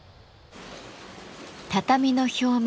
畳の表面